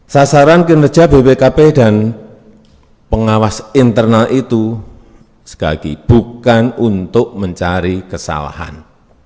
sasaran kinerja bpkp dan pengawas internal itu sekali lagi bukan untuk mencari kesalahan